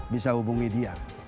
bisa hubungi dia